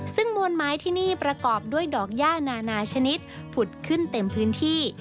ซึ่งมวลไม้ที่นี่ประกอบด้วยดอกย่านานาชนิดผุดขึ้นเต็มพื้นที่